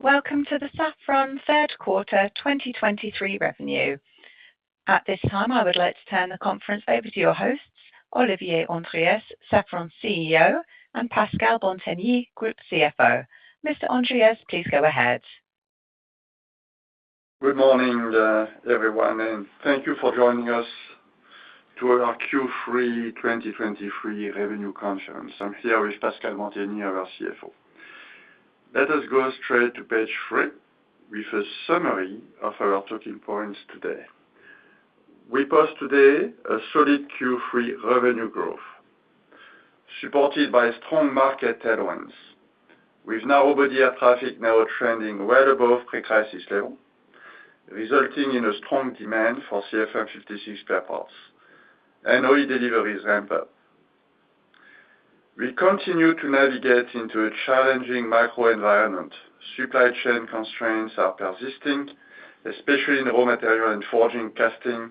Welcome to the Safran third quarter 2023 revenue. At this time, I would like to turn the conference over to your hosts, Olivier Andriès, Safran CEO, and Pascal Bantegnie, Group CFO. Mr. Andriès, please go ahead. Good morning, everyone, and thank you for joining us to our Q3 2023 revenue conference. I'm here with Pascal Bantegnie, our CFO. Let us go straight to page three, with a summary of our talking points today. We post today a solid Q3 revenue growth, supported by strong market headwinds, with narrow-body air traffic now trending well above pre-crisis level, resulting in a strong demand for CFM56 spare parts and OE deliveries ramp up. We continue to navigate into a challenging macro environment. Supply chain constraints are persisting, especially in raw material and forging and casting,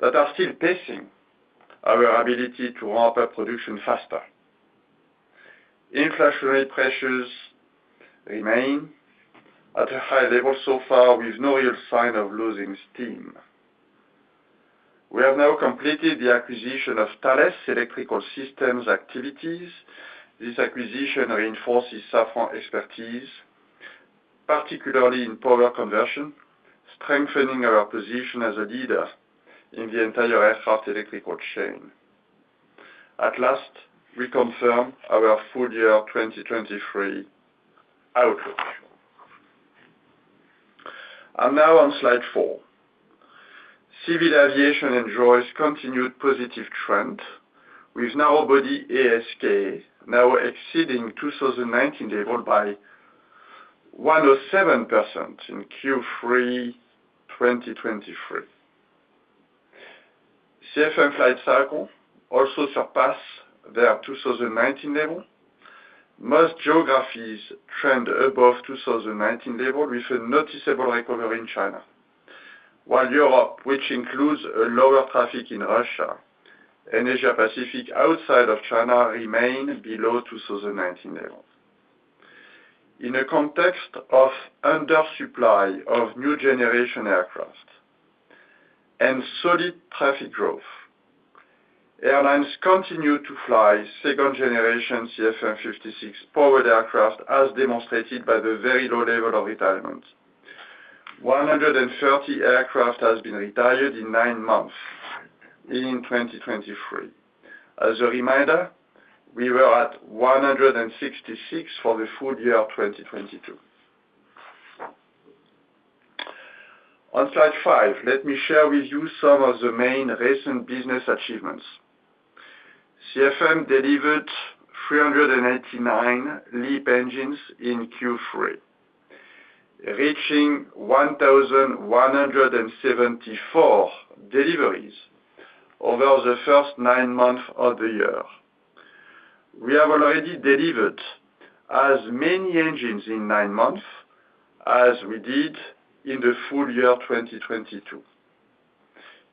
that are still pacing our ability to ramp up production faster. Inflationary pressures remain at a high level so far, with no real sign of losing steam. We have now completed the acquisition of Thales electrical systems activities. This acquisition reinforces Safran's expertise, particularly in power conversion, strengthening our position as a leader in the entire aircraft electrical chain. At last, we confirm our full-year 2023 outlook. And now on slide four. Civil aviation enjoys continued positive trend, with narrow-body ASK now exceeding 2019 level by 107% in Q3 2023. CFM flight cycle also surpass their 2019 level. Most geographies trend above 2019 level, with a noticeable recovery in China. While Europe, which includes a lower traffic in Russia and Asia Pacific, outside of China, remain below 2019 level. In a context of under supply of new generation aircraft and solid traffic growth, airlines continue to fly second generation CFM56 powered aircraft, as demonstrated by the very low level of retirement. 130 aircraft has been retired in 9 months in 2023. As a reminder, we were at 166 for the full year of 2022. On slide five, let me share with you some of the main recent business achievements. CFM delivered 389 LEAP engines in Q3, reaching 1,174 deliveries over the first 9 months of the year. We have already delivered as many engines in 9 months as we did in the full year 2022.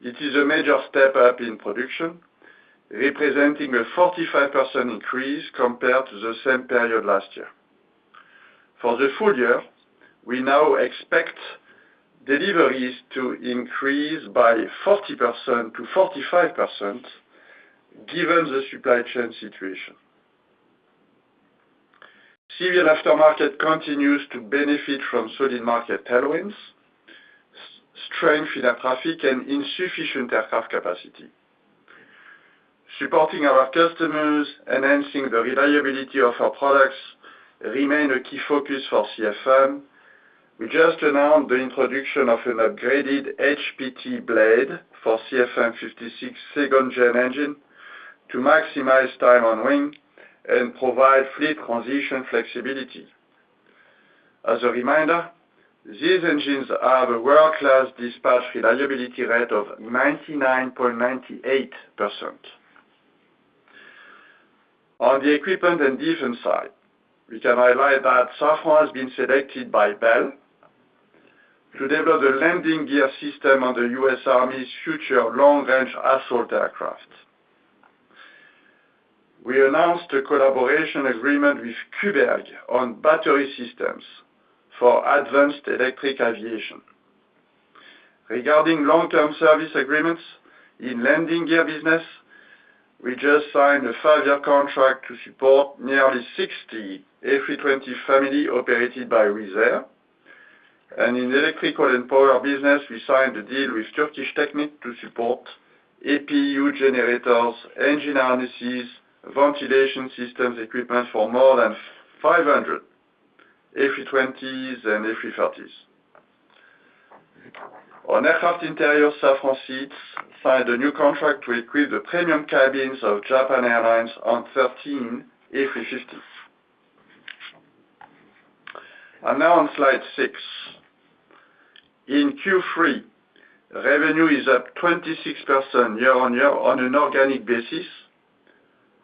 It is a major step up in production, representing a 45% increase compared to the same period last year. For the full year, we now expect deliveries to increase by 40%-45%, given the supply chain situation. Civil aftermarket continues to benefit from solid market tailwinds, strength in air traffic and insufficient aircraft capacity. Supporting our customers, enhancing the reliability of our products remain a key focus for CFM. We just announced the introduction of an upgraded HPT blade for CFM56 second-gen engine, to maximize time on wing and provide fleet transition flexibility. As a reminder, these engines have a world-class dispatch reliability rate of 99.98%. On the equipment and defense side, we can highlight that Safran has been selected by Bell to develop the landing gear system on the U.S. Army's Future Long-Range Assault Aircraft. We announced a collaboration agreement with Cuberg on battery systems for advanced electric aviation. Regarding long-term service agreements in landing gear business, we just signed a 5-year contract to support nearly 60 A320 Family operated by Wizz Air. In electrical and power business, we signed a deal with Turkish Technic to support APU generators, engine harnesses, ventilation systems, equipment for more than 500 A320s and A330s. On aircraft interior, Safran Seats signed a new contract to equip the premium cabins of Japan Airlines on 13 A350s. Now on slide six. In Q3, revenue is up 26% year-on-year on an organic basis,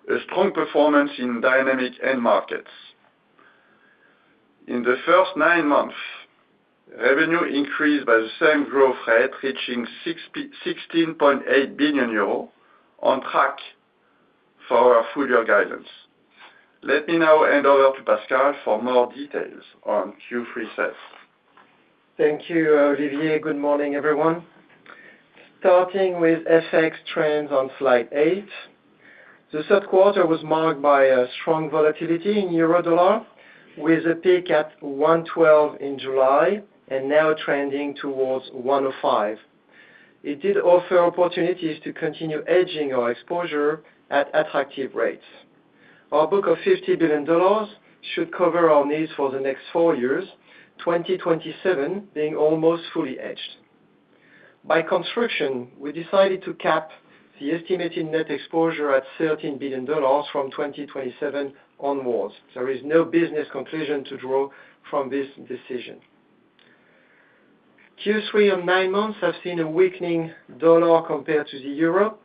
a strong performance in dynamic end markets. In the first nine months, revenue increased by the same growth rate, reaching 16.8 billion euros, on track for our full-year guidance. Let me now hand over to Pascal for more details on Q3 sales. Thank you, Olivier. Good morning, everyone. Starting with FX trends on slide eight, the third quarter was marked by a strong volatility in Euro dollar, with a peak at 1.12 in July and now trending towards 1.05. It did offer opportunities to continue hedging our exposure at attractive rates. Our book of $50 billion should cover our needs for the next four years, 2027 being almost fully hedged. By construction, we decided to cap the estimated net exposure at $13 billion from 2027 onwards. There is no business conclusion to draw from this decision. Q3 and nine-months have seen a weakening dollar compared to the euro,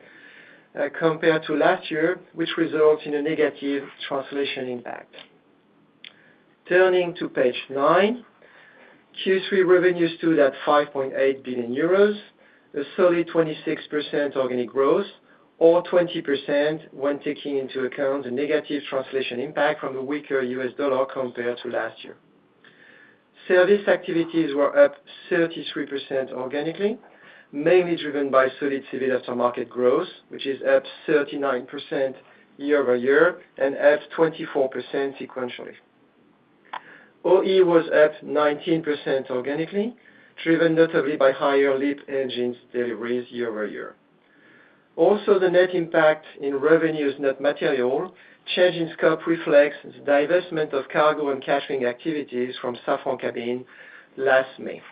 compared to last year, which results in a negative translation impact. Turning to page nine, Q3 revenues stood at 5.8 billion euros, a solid 26% organic growth, or 20% when taking into account the negative translation impact from the weaker U.S. dollar compared to last year. Service activities were up 33% organically, mainly driven by solid civil aftermarket growth, which is up 39% year-over-year and up 24% sequentially. OE was up 19% organically, driven notably by higher LEAP engines deliveries year-over-year. Also, the net impact in revenue is not material. Change in scope reflects the divestment of cargo and catering activities from Safran Cabin last May.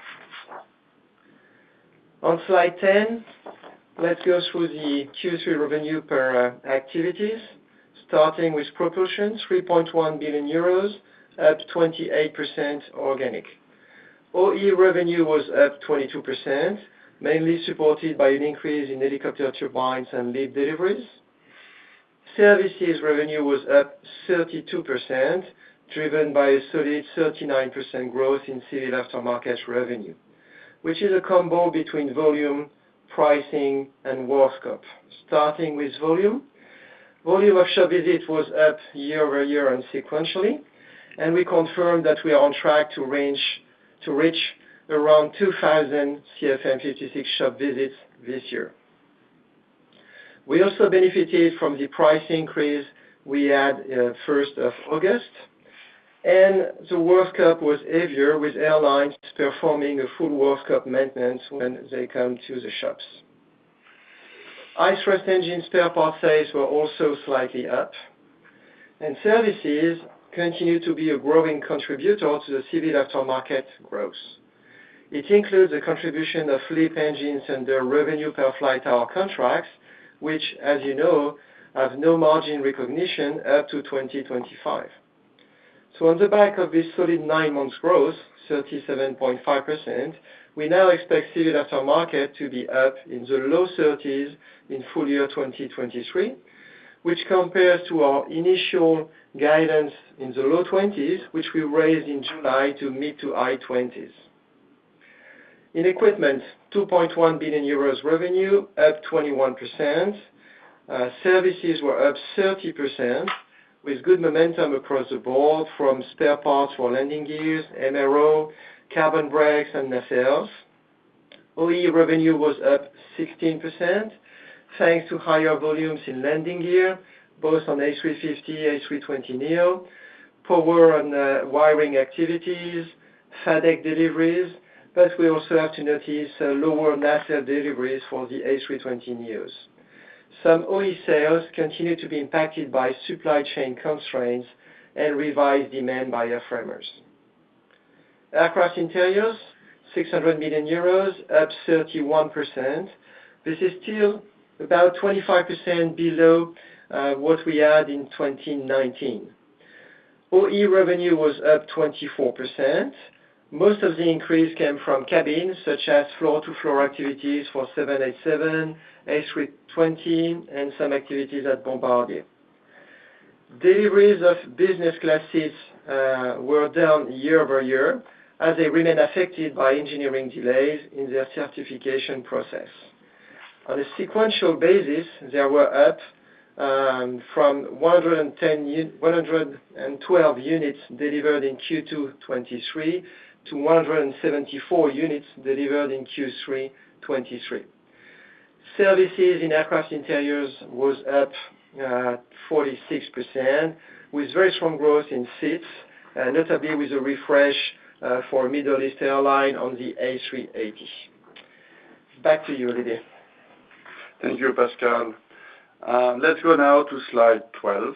On slide ten, let's go through the Q3 revenue per activities, starting with propulsion, 3.1 billion euros, up 28% organic. OE revenue was up 22%, mainly supported by an increase in helicopter turbines and LEAP deliveries. Services revenue was up 32%, driven by a solid 39% growth in civil aftermarket revenue, which is a combo between volume, pricing, and work scope. Starting with volume, volume of shop visits was up year-over-year and sequentially, and we confirm that we are on track to reach around 2,000 CFM56 shop visits this year. We also benefited from the price increase we had first of August, and the work scope was heavier, with airlines performing a full work scope maintenance when they come to the shops. In-service engine spare part sales were also slightly up, and services continue to be a growing contributor to the civil aftermarket growth. It includes the contribution of LEAP engines and their revenue per flight hour contracts, which, as you know, have no margin recognition up to 2025. So on the back of this solid nine-month growth, 37.5%, we now expect civil aftermarket to be up in the low 30s in full year 2023, which compares to our initial guidance in the low 20s, which we raised in July to mid- to high 20s. In equipment, 2.1 billion euros revenue, up 21%. Services were up 30%, with good momentum across the board, from spare parts for landing gears, MRO, carbon brakes, and nacelles. OE revenue was up 16%, thanks to higher volumes in landing gear, both on A350, A320neo, power and wiring activities, FADEC deliveries, but we also have to notice lower nacelle deliveries for the A320neos. Some OE sales continue to be impacted by supply chain constraints and revised demand by airframers. Aircraft interiors, 600 million euros, up 31%. This is still about 25% below what we had in 2019. OE revenue was up 24%. Most of the increase came from cabins, such as floor-to-floor activities for 787, A320, and some activities at Bombardier. Deliveries of business classes were down year-over-year, as they remain affected by engineering delays in their certification process. On a sequential basis, they were up from 112 units delivered in Q2 2023 to 174 units delivered in Q3 2023. Services in aircraft interiors was up 46%, with very strong growth in seats, and notably with a refresh for a Middle East airline on the A380. Back to you, Olivier. Thank you, Pascal. Let's go now to slide 12.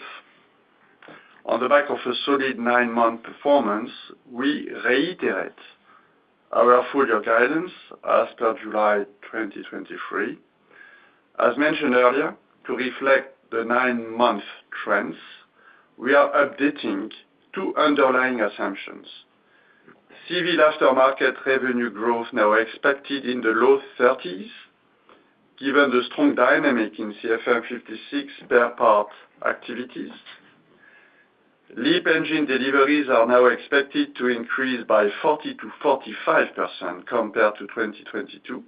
On the back of a solid nine-month performance, we reiterate our full year guidance as per July 2023. As mentioned earlier, to reflect the nine-month trends, we are updating two underlying assumptions. Civil aftermarket revenue growth now expected in the low 30s, given the strong dynamic in CFM56 spare parts activities. LEAP engine deliveries are now expected to increase by 40%-45% compared to 2022.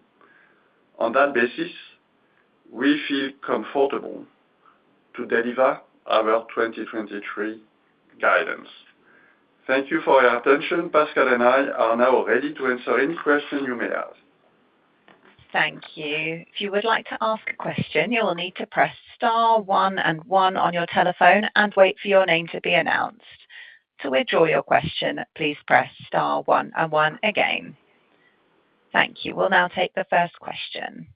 On that basis, we feel comfortable to deliver our 2023 guidance. Thank you for your attention. Pascal and I are now ready to answer any questions you may have. Thank you. If you would like to ask a question, you will need to press star one and one on your telephone and wait for your name to be announced. To withdraw your question, please press star one and one again. Thank you. We'll now take the first question.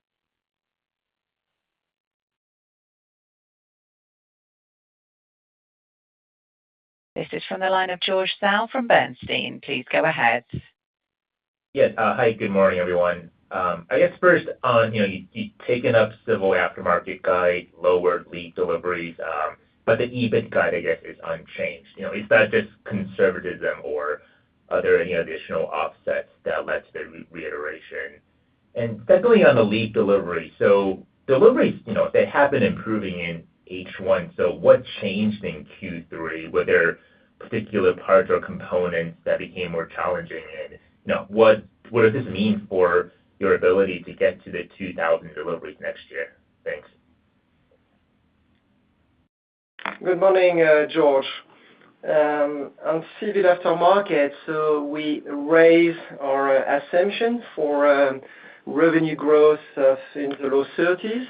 This is from the line of George Zhao from Bernstein. Please go ahead. Yes. Hi, good morning, everyone. I guess first on, you know, you, you've taken up civil aftermarket guide, lowered LEAP deliveries, but the EBIT guide, I guess, is unchanged. You know, is that just conservatism or are there any additional offsets that led to the reiteration? And secondly, on the LEAP delivery. So deliveries, you know, they have been improving in H1, so what changed in Q3? Were there particular parts or components that became more challenging, and, you know, what, what does this mean for your ability to get to the 2,000 deliveries next year? Thanks. Good morning, George. On civil aftermarket, so we raised our assumption for revenue growth in the low 30s.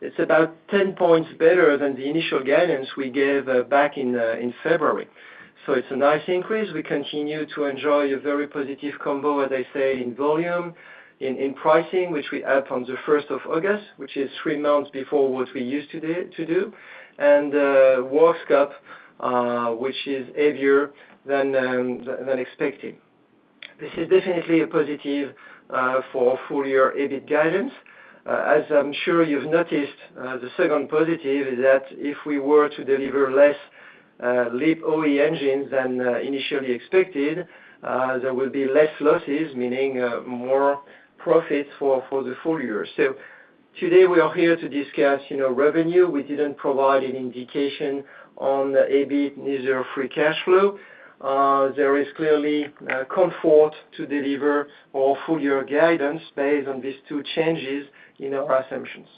It's about 10 points better than the initial guidance we gave back in February. So it's a nice increase. We continue to enjoy a very positive combo, as I say, in volume, in pricing, which we had on the first of August, which is 3 months before what we used to do, and work scope, which is heavier than expected. This is definitely a positive for full year EBIT guidance. As I'm sure you've noticed, the second positive is that if we were to deliver less LEAP OE engines than initially expected, there will be less losses, meaning more profits for the full year. So today we are here to discuss, you know, revenue. We didn't provide an indication on the EBIT, neither free cash flow. There is clearly comfort to deliver our full year guidance based on these two changes in our assumptions.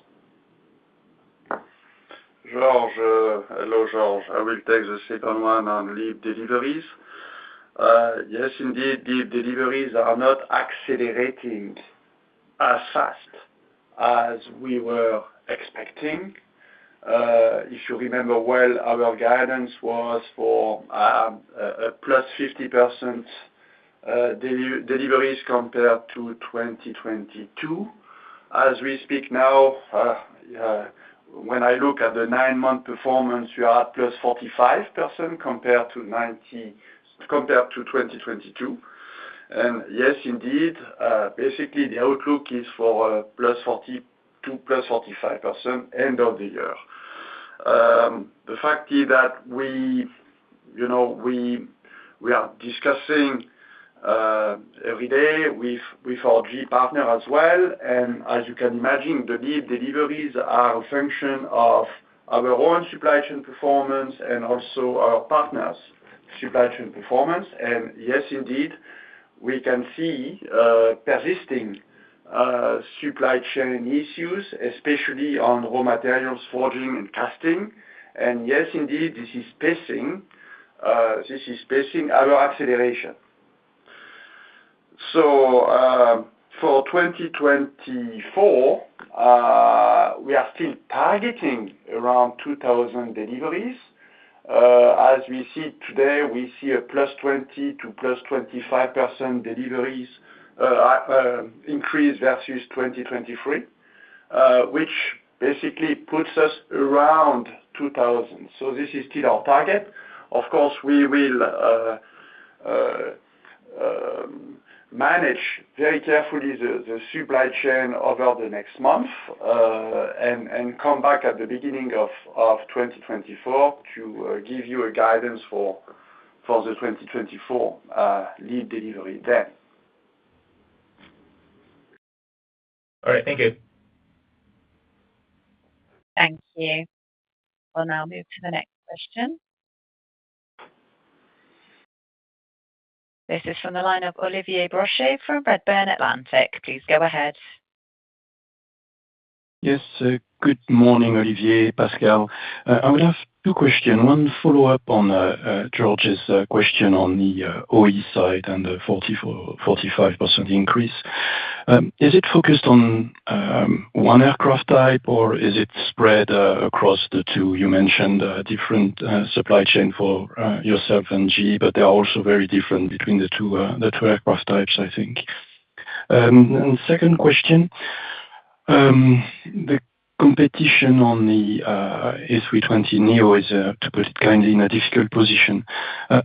George. Hello, George. I will take the second one on LEAP deliveries. Yes, indeed, the deliveries are not accelerating as fast as we were expecting. If you remember well, our guidance was for +50% deliveries compared to 2022. As we speak now, when I look at the nine-month performance, we are at +45% compared to 2022. And yes, indeed, basically the outlook is for +40% to +45% end of the year. The fact is that we, you know, we are discussing every day with our GE partner as well. And as you can imagine, the LEAP deliveries are a function of our own supply chain performance and also our partners' supply chain performance. And yes, indeed, we can see persisting supply chain issues, especially on raw materials, forging and casting. And yes, indeed, this is pacing our acceleration. So, for 2024, we are still targeting around 2000 deliveries. As we see today, we see a +20% to +25% deliveries increase versus 2023, which basically puts us around 2000. So this is still our target. Of course, we will manage very carefully the supply chain over the next month, and come back at the beginning of 2024 to give you a guidance for the 2024 lead delivery then. All right. Thank you. Thank you. We'll now move to the next question. This is from the line of Olivier Brochet from Redburn Atlantic. Please go ahead. Yes. Good morning, Olivier, Pascal. I would have two questions. One follow-up on George's question on the OE side and the 44%-45% increase. Is it focused on one aircraft type, or is it spread across the two? You mentioned different supply chain for yourself and GE, but they are also very different between the two aircraft types, I think. And second question, the competition on the A320neo is, to put it kindly, in a difficult position.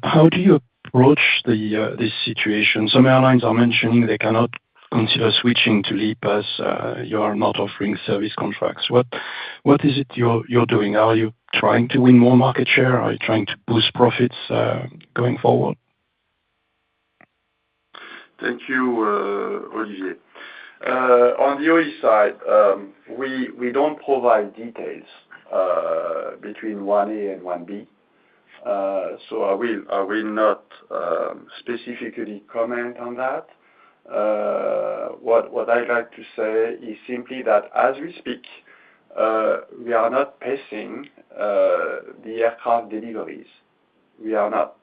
How do you approach this situation? Some airlines are mentioning they cannot consider switching to LEAP as you are not offering service contracts. What is it you're doing? Are you trying to win more market share? Are you trying to boost profits going forward? Thank you, Olivier. On the OE side, we don't provide details between 1A and 1B. So I will not specifically comment on that. What I'd like to say is simply that as we speak, we are not pacing the aircraft deliveries. We are not,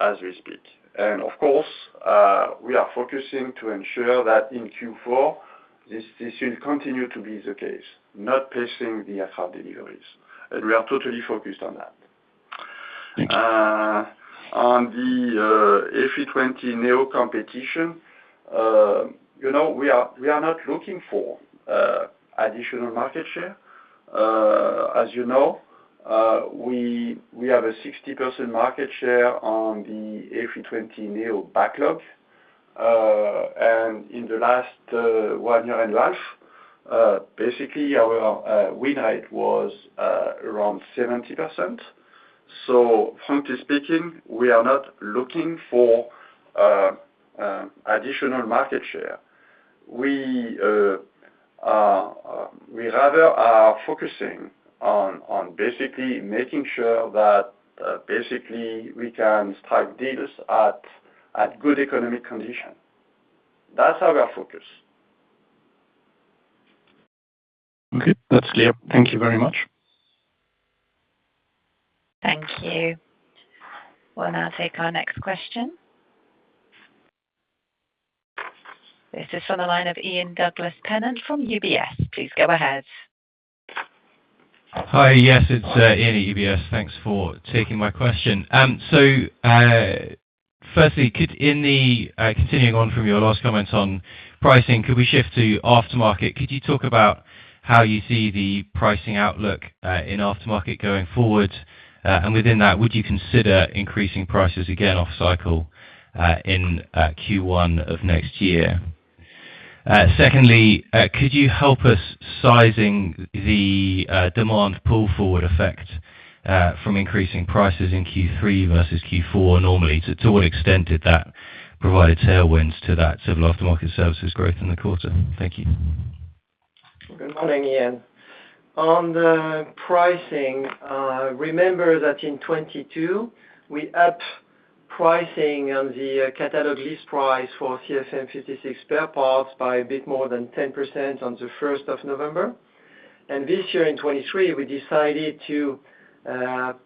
as we speak. And of course, we are focusing to ensure that in Q4, this will continue to be the case, not pacing the aircraft deliveries, and we are totally focused on that. On the A320neo competition, you know, we are, we are not looking for additional market share. As you know, we, we have a 60% market share on the A320neo backlog. In the last one year in life, basically, our win rate was around 70%. So frankly speaking, we are not looking for additional market share. We, we rather are focusing on basically making sure that basically we can strike deals at good economic condition. That's how we are focused. Okay, that's clear. Thank you very much. Thank you. We'll now take our next question. This is from the line of Ian Douglas-Pennant from UBS. Please go ahead. Hi. Yes, it's Ian, UBS. Thanks for taking my question. So, firstly, continuing on from your last comment on pricing, could we shift to aftermarket? Could you talk about how you see the pricing outlook in aftermarket going forward? And within that, would you consider increasing prices again, off cycle, in Q1 of next year? Secondly, could you help us sizing the demand pull forward effect from increasing prices in Q3 versus Q4 normally? To what extent did that provide tailwinds to that civil aftermarket services growth in the quarter? Thank you. Good morning, Ian. On the pricing, remember that in 2022, we upped pricing on the catalog list price for CFM56 spare parts by a bit more than 10% on the first of November, and this year, in 2023, we decided to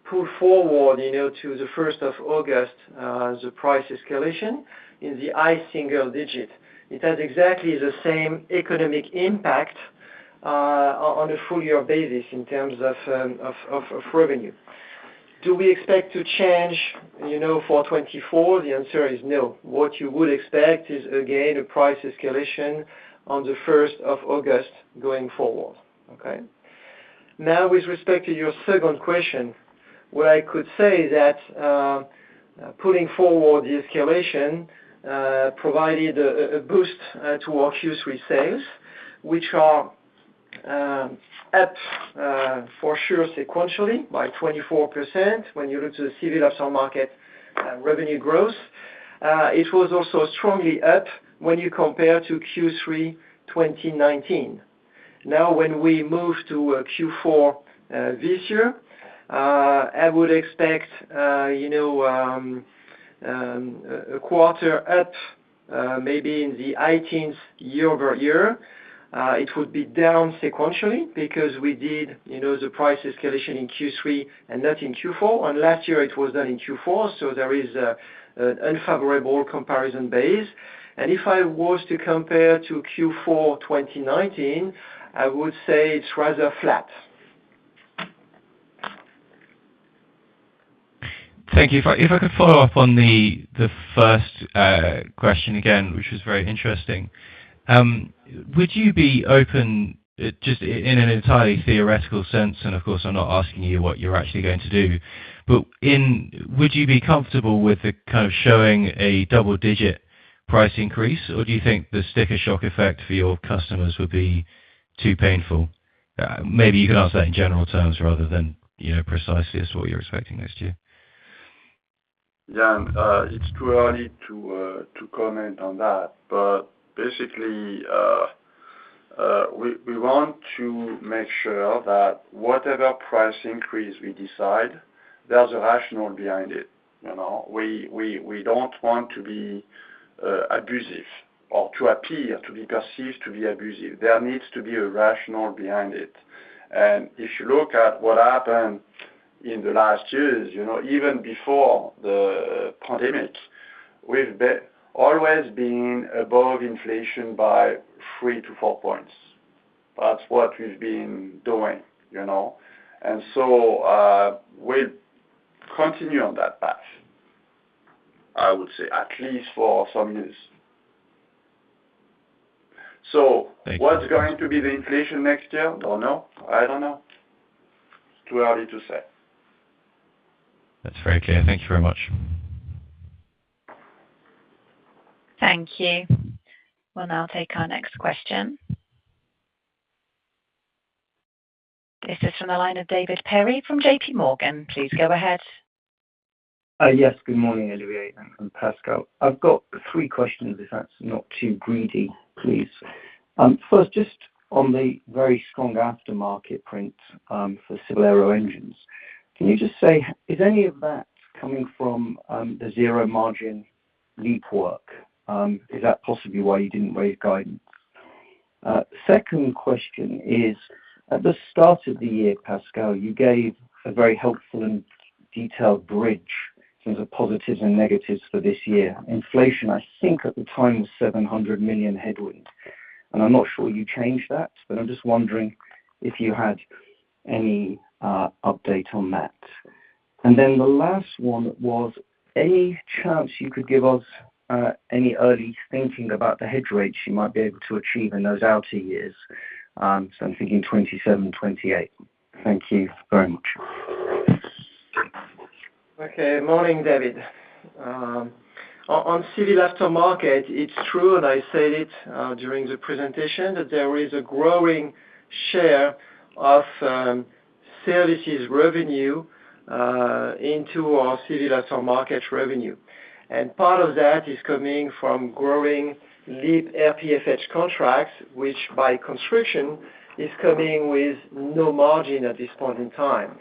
pull forward, you know, to the first of August the price escalation in the high single digit. It has exactly the same economic impact on a full year basis in terms of of revenue. Do we expect to change, you know, for 2024? The answer is no. What you would expect is, again, a price escalation on the first of August going forward. Okay? Now, with respect to your second question, what I could say that, putting forward the escalation, provided a boost to our Q3 sales, which are up, for sure, sequentially, by 24%. When you look to the civil aftermarket revenue growth, it was also strongly up when you compare to Q3 2019. Now, when we move to Q4 this year, I would expect, you know, a quarter up, maybe 18% year-over-year. It would be down sequentially because we did, you know, the price escalation in Q3 and not in Q4, and last year it was done in Q4, so there is an unfavorable comparison base. If I was to compare to Q4 2019, I would say it's rather flat. Thank you. If I could follow up on the first question again, which was very interesting. Would you be open, just in an entirely theoretical sense, and of course, I'm not asking you what you're actually going to do, but. Would you be comfortable with the kind of showing a double digit price increase, or do you think the sticker shock effect for your customers would be too painful? Maybe you can answer that in general terms rather than, you know, precisely as what you're expecting next year. Yeah, and it's too early to comment on that, but basically, we want to make sure that whatever price increase we decide, there's a rationale behind it. You know, we don't want to be abusive or to appear to be perceived to be abusive. There needs to be a rationale behind it. And if you look at what happened in the last years, you know, even before the pandemic, we've always been above inflation by 3-4 points. That's what we've been doing, you know? And so, we'll continue on that path, I would say, at least for some years. So- Thank you. What's going to be the inflation next year? Don't know. I don't know. It's too early to say. That's very clear. Thank you very much. Thank you. We'll now take our next question. This is from the line of David Perry from JPMorgan. Please go ahead. Yes. Good morning, Olivier and Pascal. I've got three questions, if that's not too greedy, please. First, just on the very strong aftermarket print for civil aero engines. Can you just say, is any of that coming from the zero-margin LEAP work? Is that possibly why you didn't raise guidance? Second question is, at the start of the year, Pascal, you gave a very helpful and detailed bridge in terms of positives and negatives for this year. Inflation, I think, at the time, was 700 million headwind. And I'm not sure you changed that, but I'm just wondering if you had any update on that. And then the last one was, any chance you could give us any early thinking about the hedge rates you might be able to achieve in those outer years? So I'm thinking 2027, 2028. Thank you very much. Okay, morning, David. On civil aftermarket, it's true, and I said it during the presentation, that there is a growing share of services revenue into our civil aftermarket revenue. And part of that is coming from growing LEAP RPFH contracts, which, by construction, is coming with no margin at this point in time.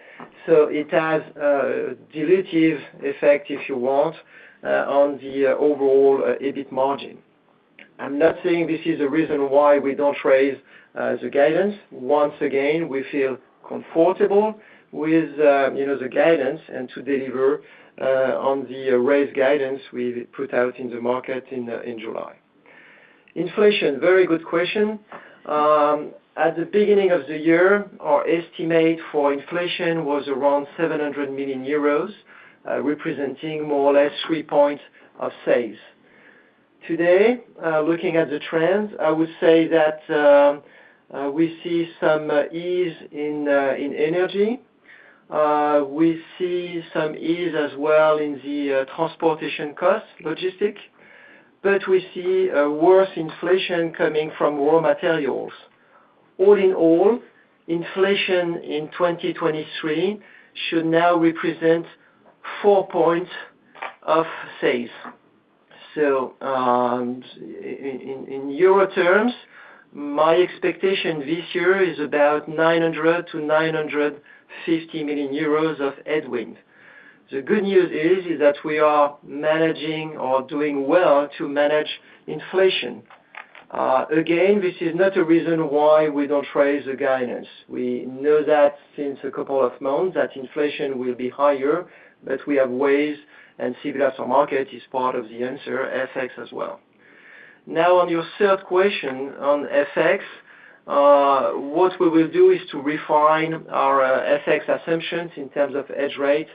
So it has a dilutive effect, if you want, on the overall EBIT margin. I'm not saying this is the reason why we don't raise the guidance. Once again, we feel comfortable with, you know, the guidance and to deliver on the raised guidance we put out in the market in July. Inflation, very good question. At the beginning of the year, our estimate for inflation was around 700 million euros, representing more or less three points of sales. Today, looking at the trends, I would say that we see some ease in in energy. We see some ease as well in the transportation cost, logistic, but we see a worse inflation coming from raw materials. All in all, inflation in 2023 should now represent four points of sales. So, in euro terms, my expectation this year is about 900 million to 950 million euros of headwind. The good news is that we are managing or doing well to manage inflation. Again, this is not a reason why we don't raise the guidance. We know that since a couple of months, that inflation will be higher, but we have ways, and civil aftermarket is part of the answer, FX as well. Now, on your third question on FX, what we will do is to refine our FX assumptions in terms of hedge rate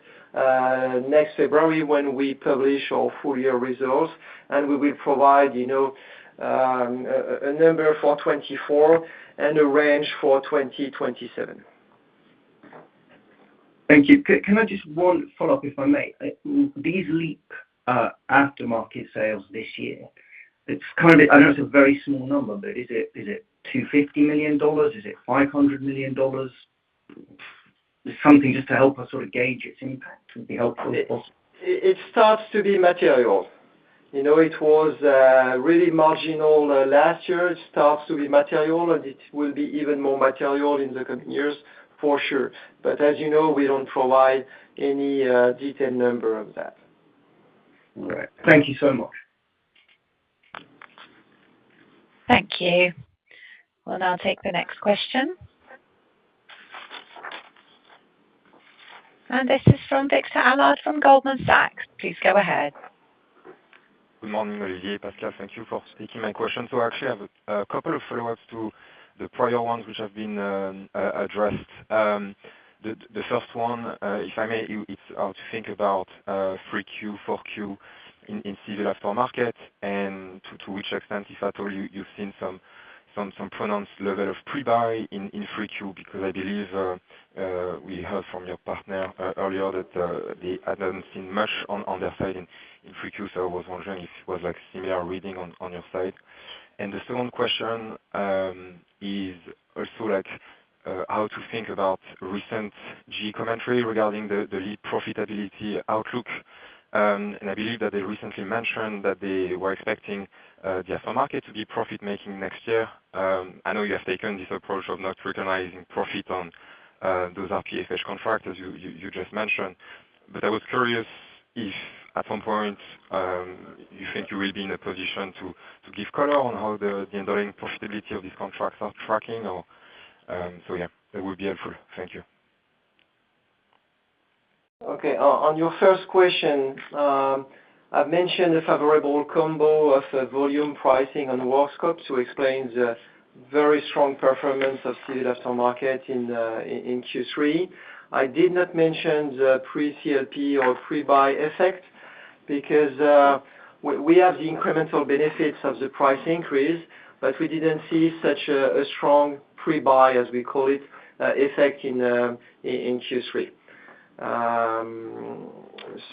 next February when we publish our full-year results, and we will provide, you know, a number for 2024 and a range for 2027. Thank you. Can I just one follow-up, if I may? These LEAP aftermarket sales this year, it's kind of—I know it's a very small number, but is it $250 million? Is it $500 million? Just something to help us sort of gauge its impact would be helpful. It starts to be material. You know, it was really marginal last year. It starts to be material, and it will be even more material in the coming years, for sure. But as you know, we don't provide any detailed number of that. All right. Thank you so much. Thank you. We'll now take the next question. This is from Victor Allard from Goldman Sachs. Please go ahead. Good morning, Olivier, Pascal. Thank you for taking my question. So actually, I have a couple of follow-ups to the prior ones, which have been addressed. The first one, if I may, it's to think about Q3, Q4 in civil aftermarket, and to which extent, if at all, you've seen some pronounced level of pre-buy in Q3, because I believe we heard from your partner earlier that they hadn't seen much on their side in Q3. So I was wondering if it was like similar reading on your side. And the second question is also like how to think about recent GE commentary regarding the profitability outlook. And I believe that they recently mentioned that they were expecting the aftermarket to be profit-making next year. I know you have taken this approach of not recognizing profit on those RPFH contracts, as you just mentioned, but I was curious if at some point you think you will be in a position to give color on how the underlying profitability of these contracts are tracking or, so yeah, that would be helpful. Thank you. Okay. On your first question, I've mentioned the favorable combo of volume pricing on scope, so explains the very strong performance of civil aftermarket in Q3. I did not mention the pre-CLP or pre-buy effect because we have the incremental benefits of the price increase, but we didn't see such a strong pre-buy, as we call it, effect in Q3.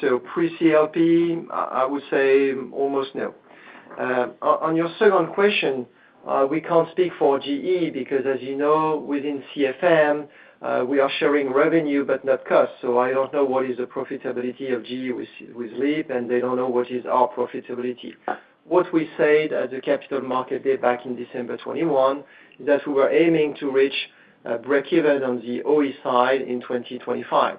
So pre-CLP, I would say almost no. On your second question, we can't speak for GE because as you know, within CFM, we are sharing revenue but not cost. So I don't know what is the profitability of GE with LEAP, and they don't know what is our profitability. What we said at the capital market day back in December 2021, is that we were aiming to reach breakeven on the OE side in 2025.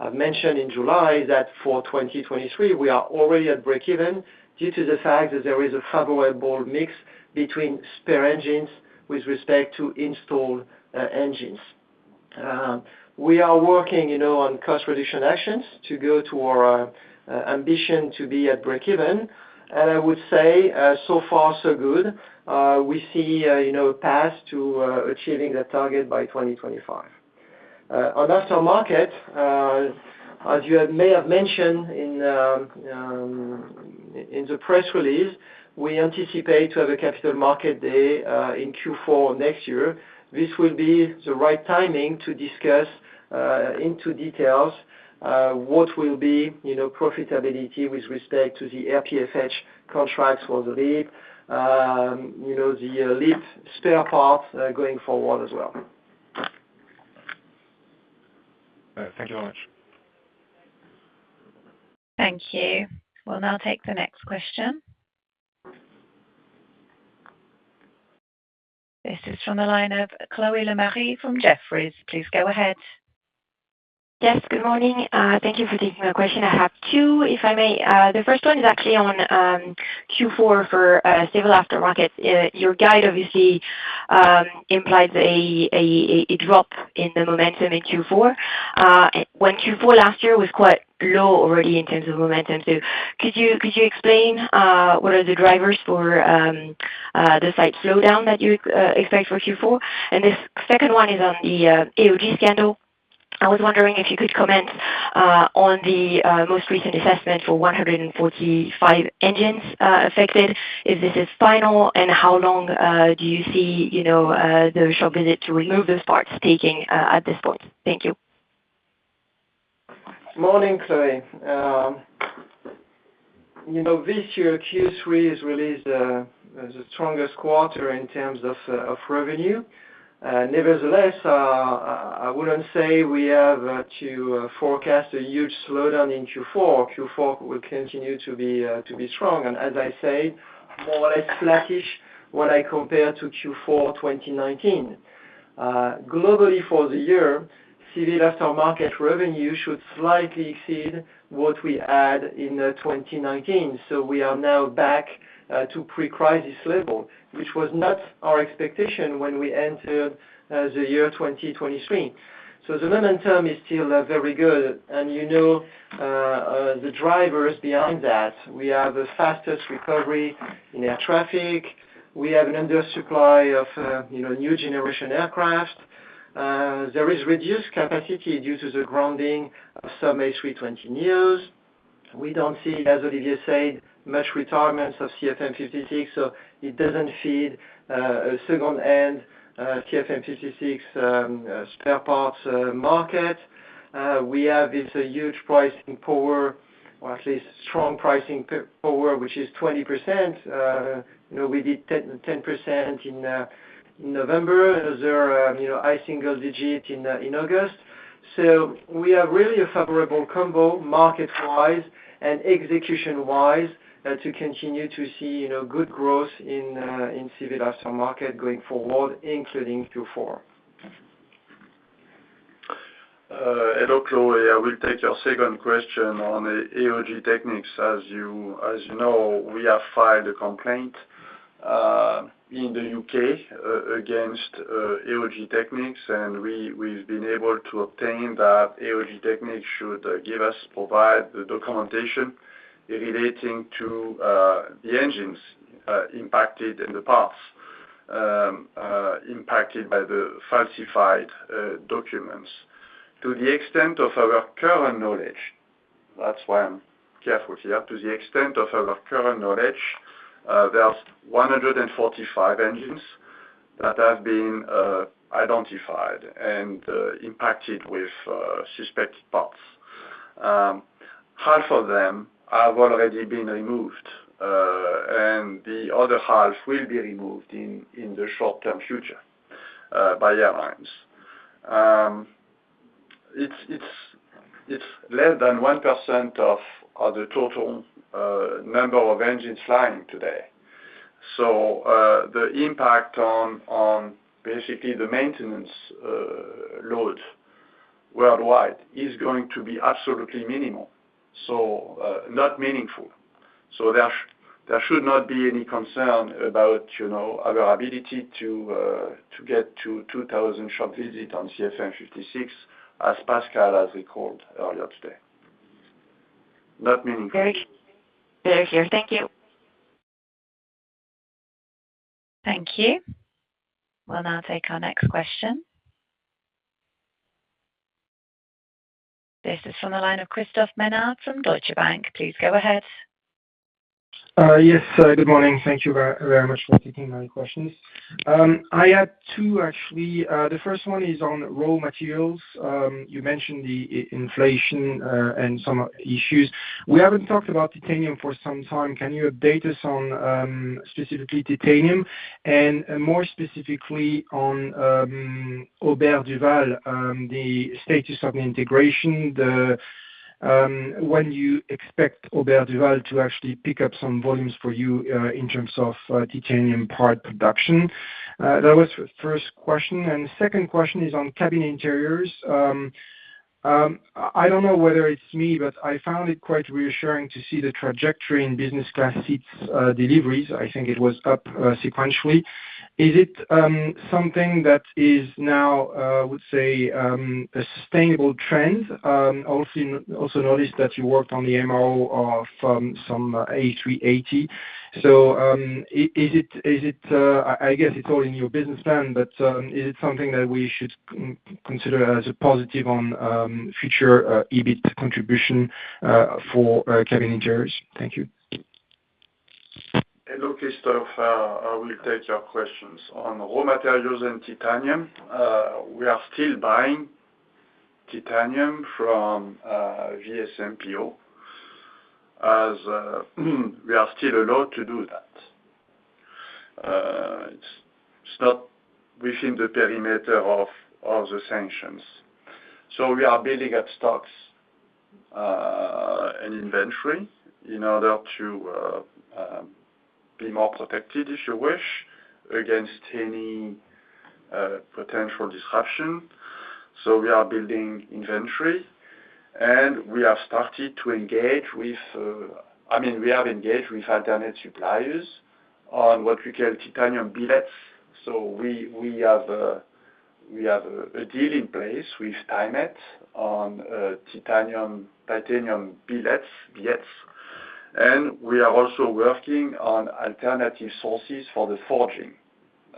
I've mentioned in July that for 2023, we are already at breakeven due to the fact that there is a favorable mix between spare engines with respect to installed engines. We are working, you know, on cost reduction actions to go to our ambition to be at breakeven, and I would say so far so good. We see, you know, a path to achieving that target by 2025. On after market, as you may have mentioned in in the press release, we anticipate to have a capital market day in Q4 next year. This will be the right timing to discuss into details what will be, you know, profitability with respect to the RPFH contracts for the LEAP, you know, the LEAP spare parts going forward as well. Thank you very much. Thank you. We'll now take the next question. This is from the line of Chloé Lemarié from Jefferies. Please go ahead. Yes, good morning. Thank you for taking my question. I have two, if I may. The first one is actually on Q4 for civil aftermarket. Your guide obviously implies a drop in the momentum in Q4, when Q4 last year was quite low already in terms of momentum. So could you explain what are the drivers for the slight slowdown that you expect for Q4? And the second one is on the AOG scandal. I was wondering if you could comment on the most recent assessment for 145 engines affected, if this is final, and how long do you see, you know, the shop visit to remove those parts taking at this point? Thank you. Morning, Chloe. You know, this year, Q3 has released the strongest quarter in terms of revenue. Nevertheless, I wouldn't say we have to forecast a huge slowdown in Q4. Q4 will continue to be strong, and as I said, more or less flattish when I compare to Q4 2019. Globally, for the year, civil aftermarket revenue should slightly exceed what we had in 2019. So we are now back to pre-crisis level, which was not our expectation when we entered the year 2023. So the momentum is still very good, and you know the drivers behind that. We have the fastest recovery in air traffic. We have an under supply of, you know, new generation aircraft. There is reduced capacity due to the grounding of some A320neos. We don't see, as Olivier said, much retirements of CFM56, so it doesn't feed a second-hand CFM56 spare parts market. We have this huge pricing power, or at least strong pricing power, which is 20%. You know, we did 10% in November. There are, you know, high single digit in August. So we have really a favorable combo, market-wise and execution-wise, to continue to see, you know, good growth in civil aftermarket going forward, including Q4. Hello, Chloé. I will take your second question on AOG Technics. As you know, we have filed a complaint in the U.K. against AOG Technics, and we've been able to obtain that AOG Technics should provide us the documentation relating to the engines impacted in the past impacted by the falsified documents. To the extent of our current knowledge, that's why I'm careful here, to the extent of our current knowledge, there are 145 engines that have been identified and impacted with suspected parts. Half of them have already been removed, and the other half will be removed in the short-term future by airlines. It's less than 1% of the total number of engines flying today. The impact on basically the maintenance load worldwide is going to be absolutely minimal, so not meaningful. There should not be any concern about, you know, our ability to get to 2,000 shop visit on CFM56, as Pascal has recalled earlier today. Not meaningful. Very clear. Thank you. Thank you. We'll now take our next question. This is from the line of Christophe Menard from Deutsche Bank. Please go ahead. Yes, good morning. Thank you very, very much for taking my questions. I had two actually. The first one is on raw materials. You mentioned the inflation and some issues. We haven't talked about titanium for some time. Can you update us on specifically titanium, and more specifically on Aubert & Duval, the status of the integration, when you expect Aubert & Duval to actually pick up some volumes for you in terms of titanium part production? That was the first question, and the second question is on cabin interiors. I don't know whether it's me, but I found it quite reassuring to see the trajectory in business class seats deliveries. I think it was up sequentially. Is it something that is now, I would say, a sustainable trend? Also noticed that you worked on the MRO of some A380. So, is it, is it, I guess it's all in your business plan, but, is it something that we should consider as a positive on future EBIT contribution for cabin interiors? Thank you. Hello, Christophe. I will take your questions. On raw materials and titanium, we are still buying titanium from VSMPO, as we are still allowed to do that. It's not within the perimeter of the sanctions. So we are building up stocks and inventory in order to be more protected, if you wish, against any potential disruption. So we are building inventory, and we have started to engage with—I mean, we have engaged with alternate suppliers on what we call titanium billets. So we have a deal in place with TIMET on titanium billets. And we are also working on alternative sources for the forging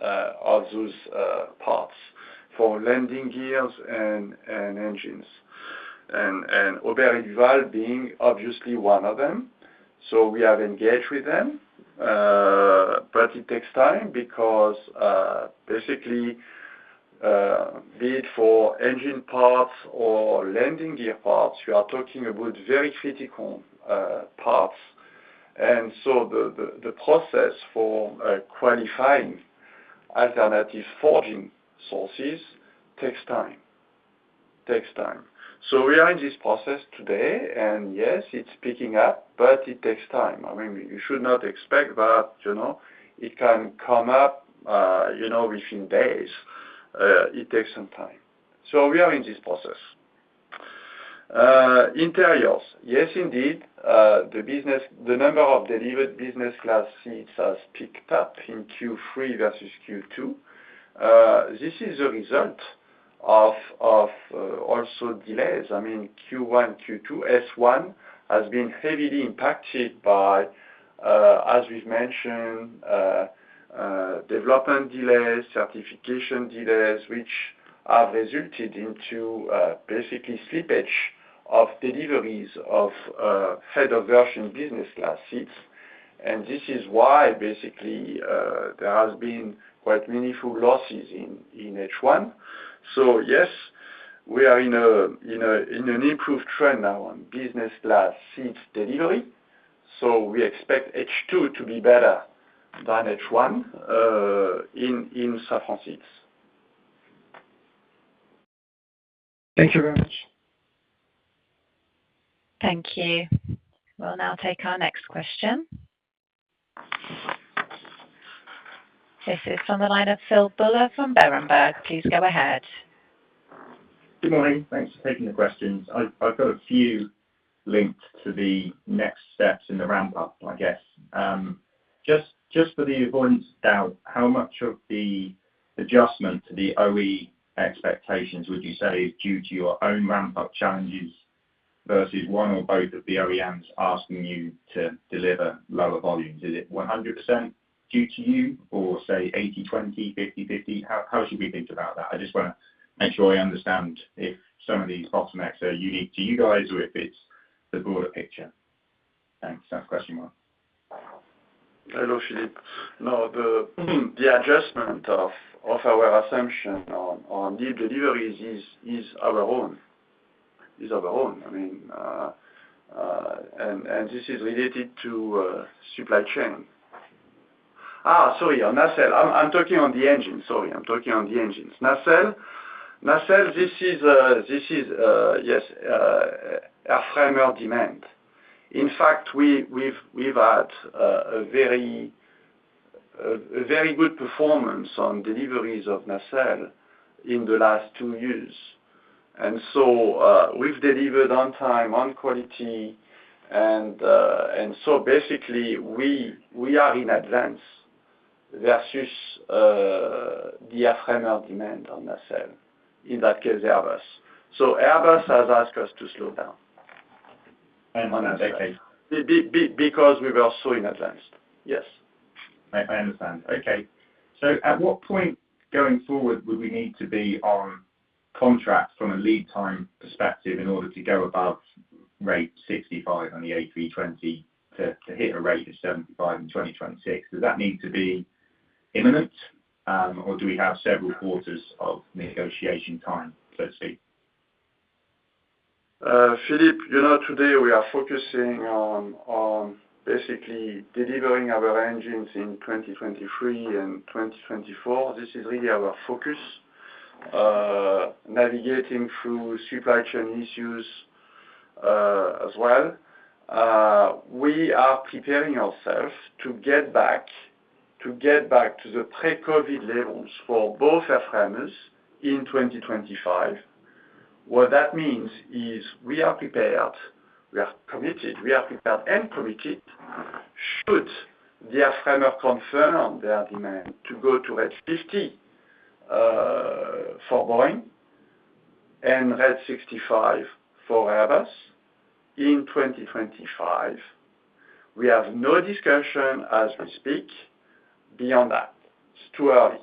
of those parts, for landing gears and engines. Aubert & Duval being obviously one of them, so we have engaged with them. But it takes time because, basically, be it for engine parts or landing gear parts, we are talking about very critical parts. And so the process for qualifying alternative forging sources takes time. Takes time. So we are in this process today, and yes, it's picking up, but it takes time. I mean, you should not expect that, you know, it can come up, you know, within days. It takes some time. So we are in this process. Interiors. Yes, indeed, the business, the number of delivered business class seats has picked up in Q3 versus Q2. This is a result of also delays. I mean, Q1, Q2, H1 has been heavily impacted by, as we've mentioned, development delays, certification delays, which have resulted into basically slippage of deliveries of head over version business class seats. And this is why basically there has been quite meaningful losses in H1. So yes, we are in an improved trend now on business class seats delivery, so we expect H2 to be better than H1 in Safran Seats. Thank you very much. Thank you. We'll now take our next question. This is from the line of Phil Buller from Berenberg. Please go ahead. Good morning. Thanks for taking the questions. I've got a few linked to the next steps in the ramp up, I guess. Just, just for the avoidance of doubt, how much of the adjustment to the OE expectations would you say is due to your own ramp-up challenges versus one or both of the OEMs asking you to deliver lower volumes? Is it 100% due to you or, say, 80/20, 50/50? How should we think about that? I just wanna make sure I understand if some of these bottlenecks are unique to you guys or if it's the broader picture. Thanks. That's question one. Hello, Philip. No, the adjustment of our assumption on the deliveries is our own. Is our own, I mean, and this is related to supply chain. Sorry, on nacelle. I'm talking on the engine. Sorry, I'm talking on the engines. Nacelle, nacelle, this is yes, airframe demand. In fact, we've had a very good performance on deliveries of nacelle in the last two years. And so, we've delivered on time, on quality, and so basically, we are in advance versus the airframe demand on nacelle, in that case, Airbus. So Airbus has asked us to slow down. On Nacelle. Because we were so in advance. Yes. I understand. Okay, so at what point going forward would we need to be on contract from a lead time perspective in order to go above rate 65 on the A320 to, to hit a rate of 75 in 2026? Does that need to be imminent, or do we have several quarters of negotiation time, let's say? Philip, you know, today we are focusing on, on basically delivering our engines in 2023 and 2024. This is really our focus, navigating through supply chain issues, as well. We are preparing ourselves to get back, to get back to the pre-COVID levels for both airframers in 2025. What that means is we are prepared, we are committed, we are prepared and committed should the airframer confirm on their demand to go to rate 50, for Boeing and rate 65 for Airbus in 2025. We have no discussion as we speak beyond that. It's too early.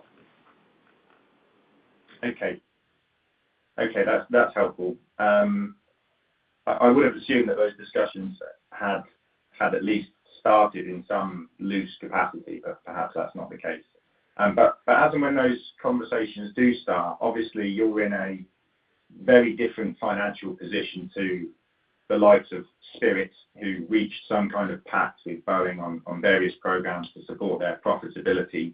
Okay. Okay, that's, that's helpful. I would have assumed that those discussions had at least started in some loose capacity, but perhaps that's not the case. But as and when those conversations do start, obviously, you're in a very different financial position to the likes of Spirit, who reached some kind of pact with Boeing on various programs to support their profitability.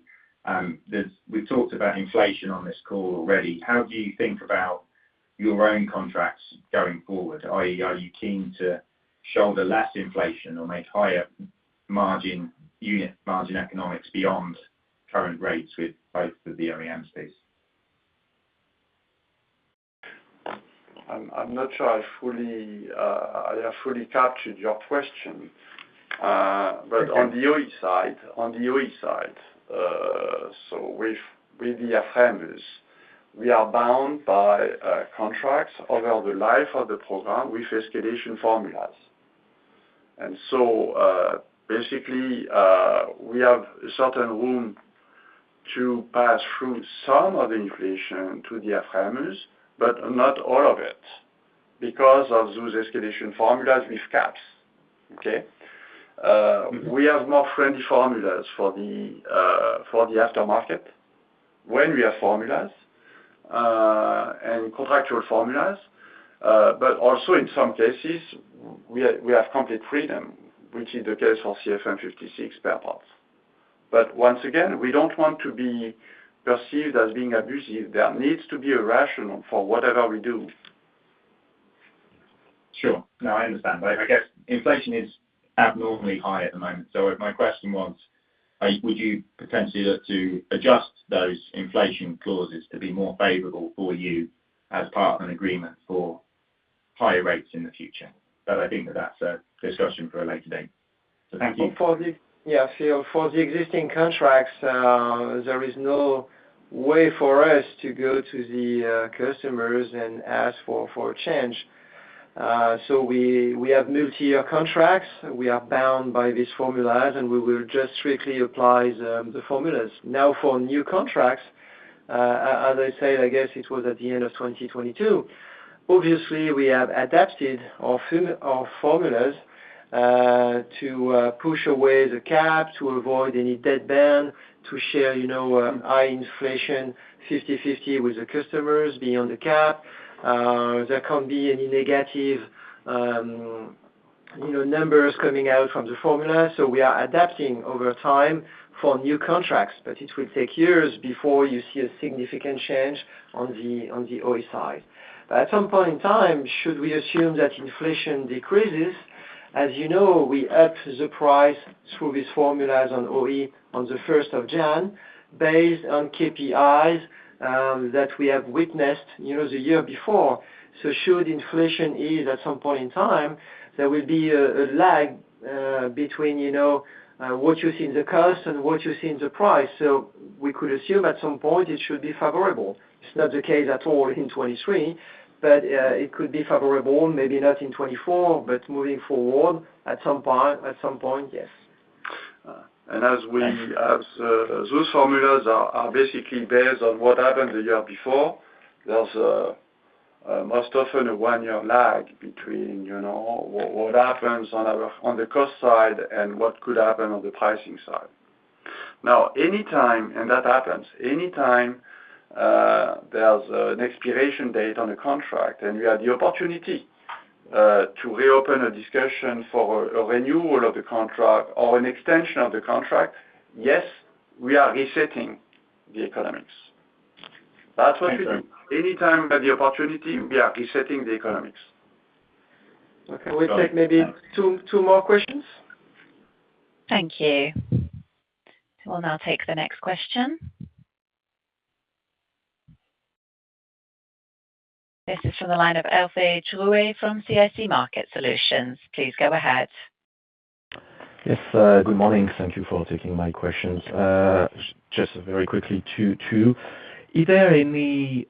There's—we've talked about inflation on this call already. How do you think about your own contracts going forward? Are you keen to shoulder less inflation or make higher margin, unit margin economics beyond current rates with both of the OEM space? I'm not sure I have fully captured your question. Okay. But on the OE side, so with, with the airframers, we are bound by, contracts over the life of the program with escalation formulas. And so, basically, we have a certain room to pass through some of the inflation to the airframers, but not all of it because of those escalation formulas with caps. Okay? We have more friendly formulas for the, for the aftermarket when we have formulas, and contractual formulas, but also in some cases, we, we have complete freedom, which is the case for CFM56 spare parts. But once again, we don't want to be perceived as being abusive. There needs to be a rationale for whatever we do. Sure. No, I understand. I, I guess inflation is abnormally high at the moment. So my question was, would you potentially look to adjust those inflation clauses to be more favorable for you as part of an agreement for higher rates in the future? But I think that that's a discussion for a later date. So thank you. For the existing contracts, there is no way for us to go to the customers and ask for, for a change. So we have multi-year contracts. We are bound by these formulas, and we will just strictly apply the formulas. Now, for new contracts, as I said, I guess it was at the end of 2022, obviously, we have adapted our formulas to push away the cap, to avoid any deadband, to share, you know, high inflation, 50/50 with the customers beyond the cap. There can't be any negative numbers coming out from the formula, so we are adapting over time for new contracts. But it will take years before you see a significant change on the OE side. At some point in time, should we assume that inflation decreases, as you know, we up the price through these formulas on OE on the first of January, based on KPIs, that we have witnessed, you know, the year before. So should inflation ease at some point in time, there will be a lag between, you know, what you see in the cost and what you see in the price. So we could assume at some point it should be favorable. It's not the case at all in 2023, but it could be favorable, maybe not in 2024, but moving forward, at some part, at some point, yes. Thanks. As those formulas are basically based on what happened the year before, there's most often a one-year lag between, you know, what happens on the cost side and what could happen on the pricing side. Now, anytime that happens, anytime there's an expiration date on the contract, and we have the opportunity to reopen a discussion for a renewal of the contract or an extension of the contract, yes, we are resetting the economics. Thank you. That's what we do. Anytime we have the opportunity, we are resetting the economics. Okay. We take maybe, two more questions. Thank you. We'll now take the next question. This is from the line of Alfie Joubert from CIC Market Solutions. Please go ahead. Yes, good morning. Thank you for taking my questions. Just very quickly, two questions. Is there any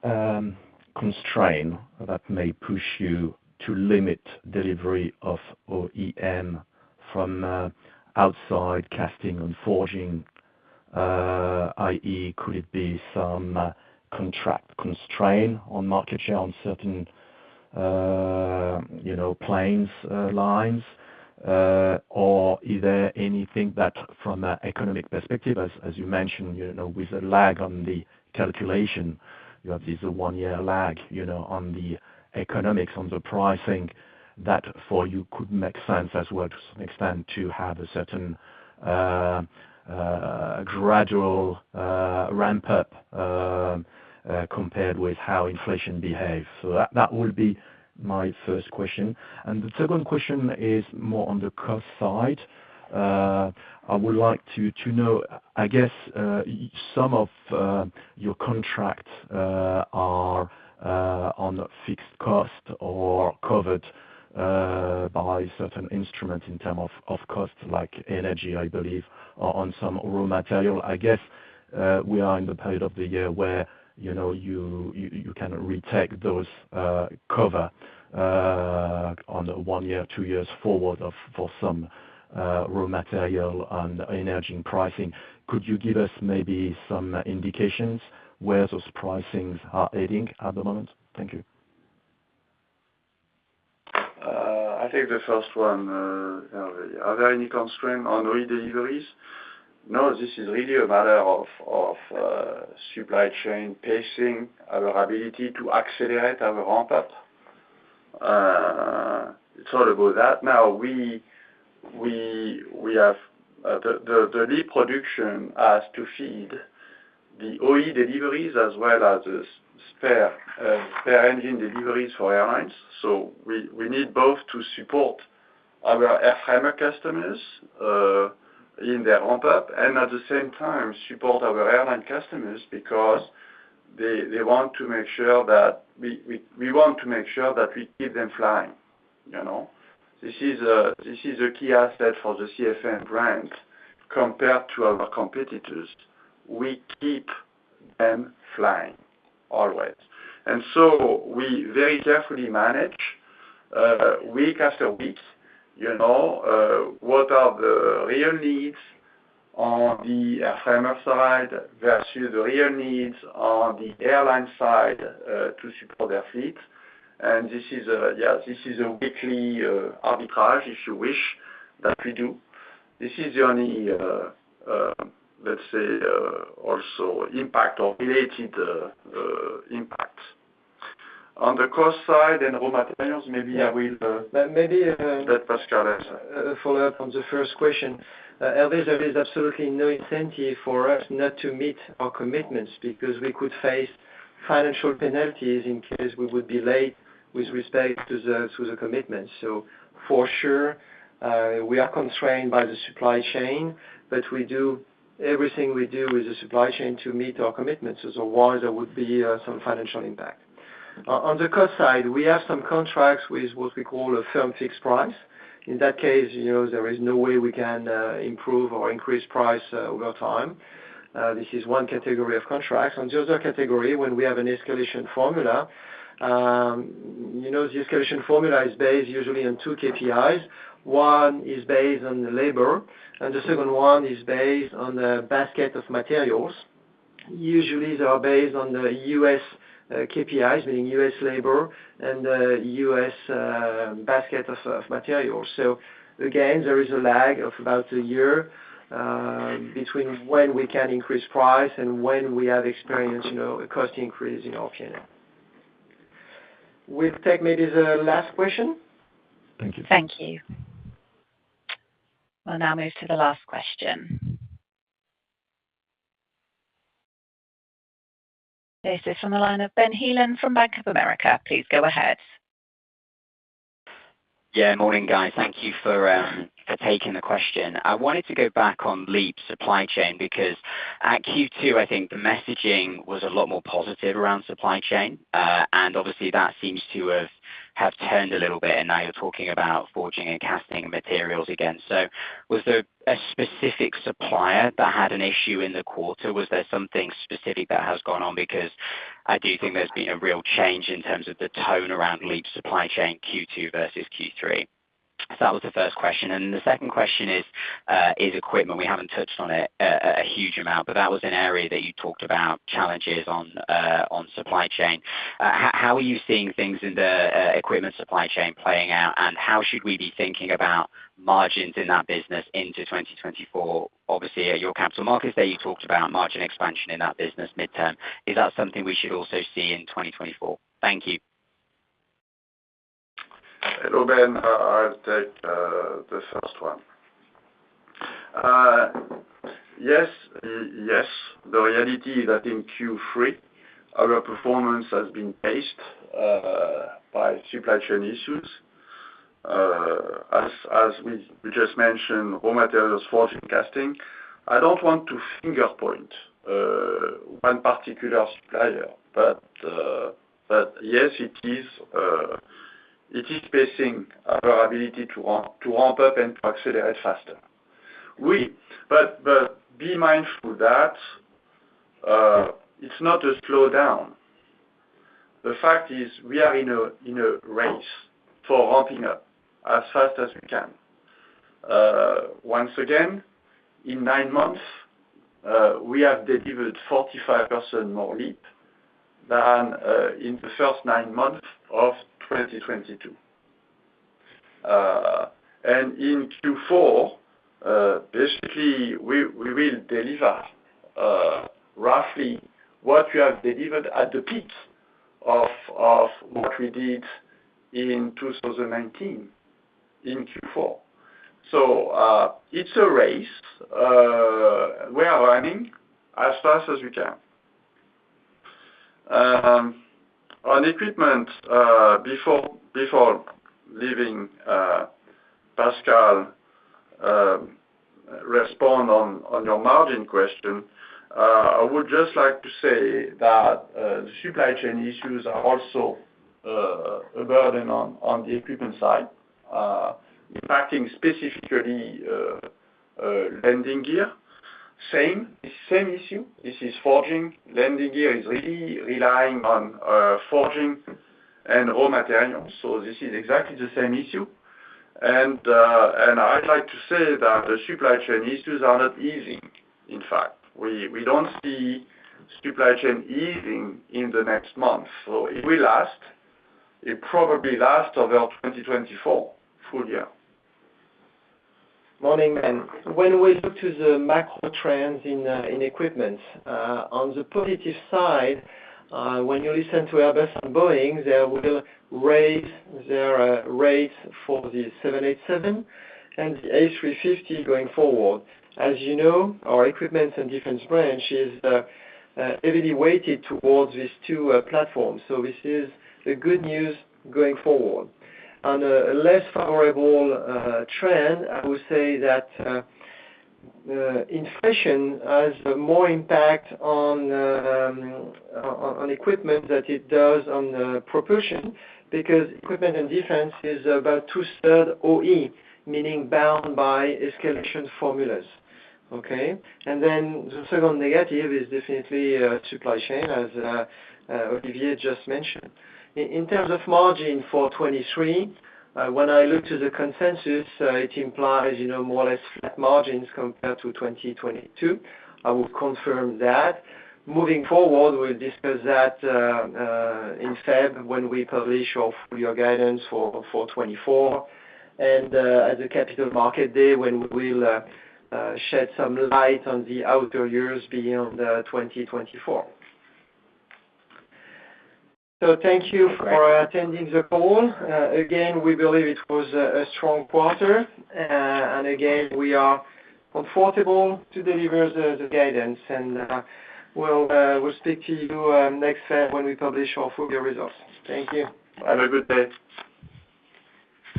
constraint that may push you to limit delivery of OEM from outside casting and forging? I.e., could it be some contract constraint on market share on certain, you know, planes, lines? Or is there anything that from an economic perspective, as you mentioned, you know, with a lag on the calculation, you have this one-year lag, you know, on the economics, on the pricing, that for you could make sense as well, to some extent, to have a certain gradual ramp up, compared with how inflation behaves? So that would be my first question. And the second question is more on the cost side. I would like to know, I guess, some of your contracts are on a fixed cost or covered by certain instruments in terms of costs like energy, I believe, on some raw material. I guess, we are in the period of the year where, you know, you can retake those covers on a one-year, two-year forward for some raw material on energy and pricing. Could you give us maybe some indications where those pricings are heading at the moment? Thank you. I think the first one, are there any constraint on re-deliveries? No, this is really a matter of supply chain pacing, our ability to accelerate our ramp up. It's all about that. Now, we have the LEAP production has to feed the OE deliveries as well as the spare engine deliveries for airlines. So we need both to support our airfreight customers in their ramp up, and at the same time, support our airline customers because they want to make sure that we want to make sure that we keep them flying, you know? This is a key asset for the CFM brand compared to our competitors. We keep them flying, always. And so we very carefully manage, week after week, you know, what are the real needs on the airfreight side versus the real needs on the airline side, to support their fleet. And this is a, yeah, this is a weekly, arbitrage, if you wish, that we do. This is the only, let's say, also impact or related, impact. On the cost side and raw materials, maybe I will, Maybe, uh- Let Pascal answer. Follow up on the first question. Alfie, there is absolutely no incentive for us not to meet our commitments because we could face financial penalties in case we would be late with respect to the, to the commitment. So for sure, we are constrained by the supply chain, but we do everything we do with the supply chain to meet our commitments. Otherwise, there would be some financial impact. On the cost side, we have some contracts with what we call a firm fixed price. In that case, you know, there is no way we can improve or increase price over time. This is one category of contracts. On the other category, when we have an escalation formula, you know, the escalation formula is based usually on two KPIs. One is based on the labor, and the second one is based on the basket of materials. Usually, they are based on the U.S. KPIs, meaning U.S. labor and the U.S. basket of materials. So again, there is a lag of about a year between when we can increase price and when we have experienced, you know, a cost increase in our channel. We'll take maybe the last question. Thank you. Thank you. We'll now move to the last question. This is from the line of Ben Heelan from Bank of America. Please go ahead. Yeah, morning, guys. Thank you for taking the question. I wanted to go back on LEAP's supply chain, because at Q2, I think the messaging was a lot more positive around supply chain. And obviously, that seems to have, have turned a little bit, and now you're talking about forging and casting materials again. So was there a specific supplier that had an issue in the quarter? Was there something specific that has gone on? Because I do think there's been a real change in terms of the tone around LEAP supply chain, Q2 versus Q3. So that was the first question. And the second question is equipment. We haven't touched on it a huge amount, but that was an area that you talked about challenges on, on supply chain. How are you seeing things in the equipment supply chain playing out? And how should we be thinking about margins in that business into 2024? Obviously, at your capital markets day, you talked about margin expansion in that business midterm. Is that something we should also see in 2024? Thank you. Hello, Ben. I'll take the first one. Yes, yes. The reality is that in Q3, our performance has been paced by supply chain issues. As we just mentioned, raw materials, forging, casting. I don't want to finger point one particular supplier, but, but yes, it is, it is pacing our ability to ramp, to ramp up and to accelerate faster. But be mindful that it's not a slowdown. The fact is, we are in a race for ramping up as fast as we can. Once again, in nine months, we have delivered 45% more LEAP than in the first nine months of 2022. And in Q4, basically, we will deliver roughly what we have delivered at the peak of what we did in 2019, in Q4. So, it's a race. We are running as fast as we can. On equipment, before leaving, Pascal, respond on your margin question, I would just like to say that the supply chain issues are also a burden on the equipment side, impacting specifically landing gear. Same issue. This is forging. Landing gear is really relying on forging and raw materials, so this is exactly the same issue. I'd like to say that the supply chain issues are not easing, in fact. We don't see supply chain easing in the next month, so it will last. It probably lasts over 2024, full year. Morning, and when we look to the macro trends in equipment, on the positive side, when you listen to Airbus and Boeing, they will raise their rate for the 787, and the A350 going forward. As you know, our equipment and defense branch is heavily weighted towards these two platforms, so this is the good news going forward. On a less favorable trend, I would say that inflation has more impact on equipment than it does on the propulsion, because equipment and defense is about two-thirds OE, meaning bound by escalation formulas, okay? And then the second negative is definitely supply chain, as Olivier just mentioned. In terms of margin for 2023, when I look to the consensus, it implies, you know, more or less flat margins compared to 2022. I will confirm that. Moving forward, we'll discuss that, in February, when we publish our full year guidance for full 2024, and, at the capital market day, when we will, shed some light on the outer years beyond 2024. So thank you for attending the call. Again, we believe it was a, a strong quarter, and again, we are comfortable to deliver the, the guidance, and, we'll, we'll speak to you, next month, when we publish our full year results. Thank you. Have a good day.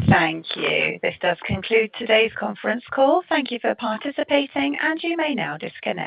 Thank you. This does conclude today's conference call. Thank you for participating, and you may now disconnect.